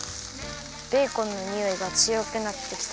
ベーコンのにおいがつよくなってきた。